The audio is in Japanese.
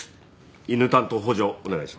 犬担当補助をお願いします。